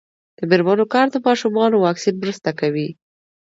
د میرمنو کار د ماشومانو واکسین مرسته کوي.